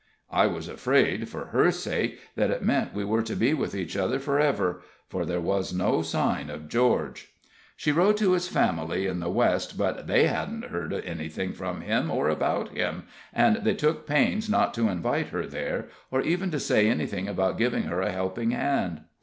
I was afraid, for her sake, that it meant we were to be with each other for ever, for there was no sign of George. She wrote to his family in the West, but they hadn't heard anything from him or about him, and they took pains not to invite her there, or even to say anything about giving her a helping hand.